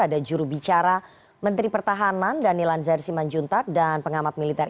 ada jurubicara menteri pertahanan danilan zair simanjuntak dan pengamat militer